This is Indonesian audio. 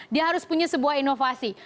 dia harus punya sebuah inovasi